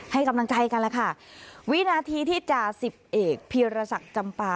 ให้กำลังใจกันแล้วค่ะวินาทีที่จ่าสิบเอกพีรศักดิ์จำปา